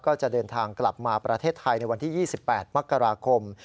ก็จะเดินทางกลับมาประเทศไทยในวันที่๒๘มกราคม